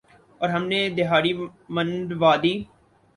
اور ہم نے دھاڑی منڈوادی ۔